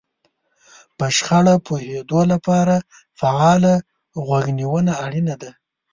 په شخړه پوهېدو لپاره فعاله غوږ نيونه اړينه ده.